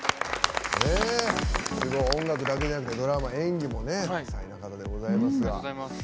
音楽だけじゃなくてドラマ、演技も多彩な方でございます。